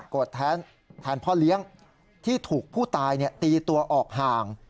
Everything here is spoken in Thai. แทนพ่อเลี้ยงที่ถูกผู้ตายตีตัวออกห่าง